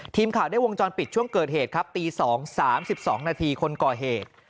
ทีมข่าวได้วงจรปิดช่วงเกิดเหตุครับตี๒๓๒นาทีคนก่อเหตุ